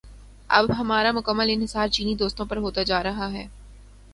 اب ہمارا مکمل انحصار چینی دوستوں پہ ہوتا جا رہا ہے۔